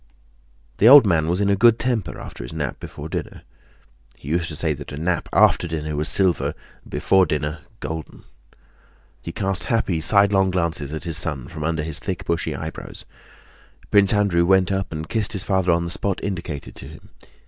The old man was in a good temper after his nap before dinner. (He used to say that a nap "after dinner was silver—before dinner, golden.") He cast happy, sidelong glances at his son from under his thick, bushy eyebrows. Prince Andrew went up and kissed his father on the spot indicated to him.